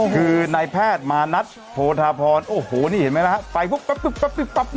คือในแพทย์มานัดโทษธาพรโอ้โหนี่เห็นไหมนะครับ